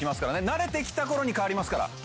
慣れてきた頃に変わりますから。